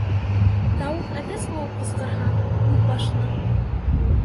Тауыҡ әтәс булып ҡысҡырһа, үҙ башына.